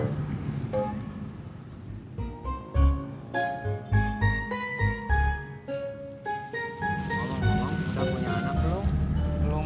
tolong tolong kamu punya anak belum